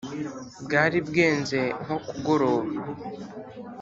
bwari bwenze nko kugoroba